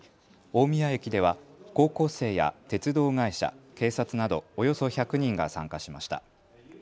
大宮駅では高校生や鉄道会社、警察などおよそ１００人が参加しました。